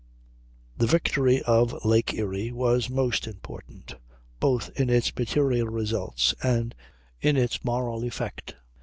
] The victory of Lake Erie was most important, both in its material results and in its moral effect.